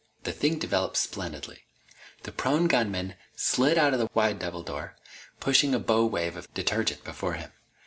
The thing developed splendidly. The prone gunman slid out of the wide double door, pushing a bow wave of detergent before him.